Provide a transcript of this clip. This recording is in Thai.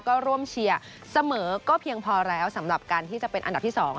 ก็ร่วมเชียร์เสมอก็เพียงพอแล้วสำหรับการที่จะเป็นอันดับที่๒